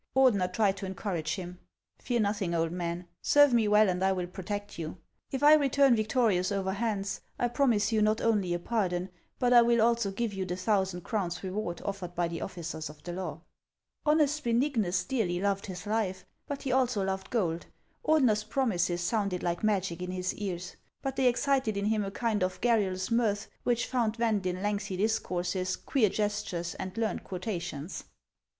Ordener tried to encourage him. " Fear nothing, old man ; serve me well, and I will pro tect you. It' I return victorious over Hans, I promise you not only a pardon, but 1 will also give you the thousand crowns reward ottered by the officers of the law." Honest Benignus dearly loved his life, but he also loved gold. Ordener's promises sounded like magic in his ears ; they not only banished all his terrors, but they excited in him a kind of garrulous mirth, which found vent in lengthy discourses, queer gestures, and learned quotations.